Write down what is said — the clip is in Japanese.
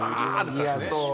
いやそう。